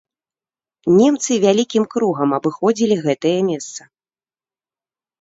Немцы вялікім кругам абыходзілі гэтае месца.